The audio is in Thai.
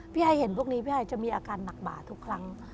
ไอ้เห็นพวกนี้พี่ไอจะมีอาการหนักบาดทุกครั้ง